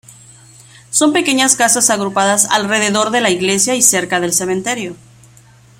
Son pequeñas casas agrupadas alrededor de la iglesia y cerca del cementerio.